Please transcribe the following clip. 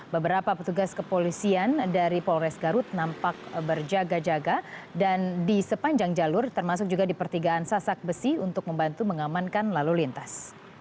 beberapa petugas kepolisian dari polres garut nampak berjaga jaga dan di sepanjang jalur termasuk juga di pertigaan sasak besi untuk membantu mengamankan lalu lintas